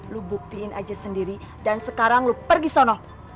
lu buktiin aja sendiri dan sekarang lo pergi sana